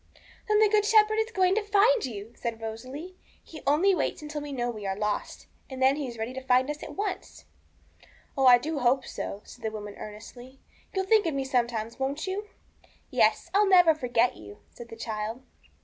'Then the Good Shepherd is going to find you,' said Rosalie; 'He only waits until we know we are lost, and then He is ready to find us at once.' 'Oh, I do hope so,'said the woman earnestly; 'you'll think of me sometimes, won't you?' 'Yes, I'll never forget you,' said the child.